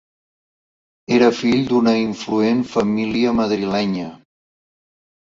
Era fill d'una influent família madrilenya.